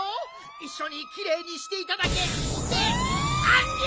いっしょにきれいにしていただけってあんりゃ！